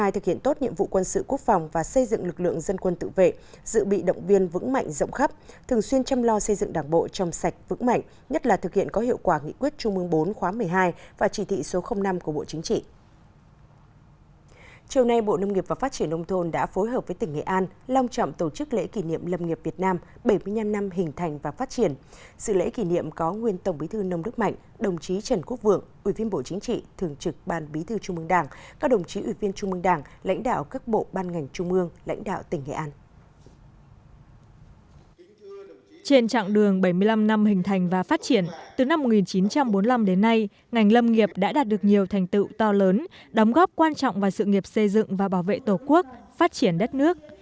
trên trạng đường bảy mươi năm năm hình thành và phát triển từ năm một nghìn chín trăm bốn mươi năm đến nay ngành lâm nghiệp đã đạt được nhiều thành tựu to lớn đóng góp quan trọng vào sự nghiệp xây dựng và bảo vệ tổ quốc phát triển đất nước